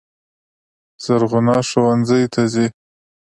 زرغونه ښوونځي ته ځي.